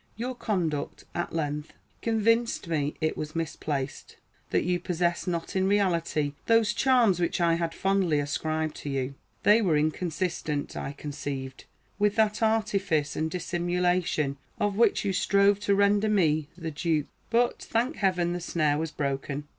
Your conduct, at length, convinced me it was misplaced; that you possessed not in reality those charms which I had fondly ascribed to you. They were inconsistent, I conceived, with that artifice and dissimulation of which you strove to render me the dupe. But, thank Heaven, the snare was broken.